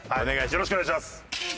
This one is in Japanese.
よろしくお願いします。